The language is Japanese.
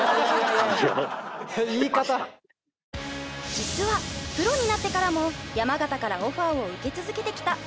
実はプロになってからも山形からオファーを受け続けてきた阪野選手。